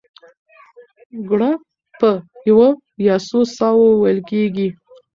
ګړه په یوه یا څو ساه وو وېل کېږي.